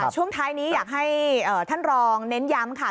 ช่วงท้ายนี้อยากให้ท่านรองเน้นย้ำค่ะ